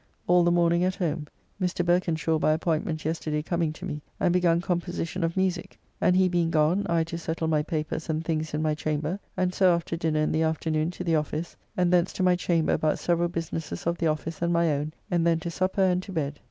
All the morning at home, Mr. Berkenshaw by appointment yesterday coming to me, and begun composition of musique, and he being gone I to settle my papers and things in my chamber, and so after dinner in the afternoon to the office, and thence to my chamber about several businesses of the office and my own, and then to supper and to bed.